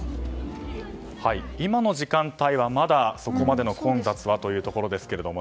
今の時間帯は、まだそこまでの混雑はというところですが。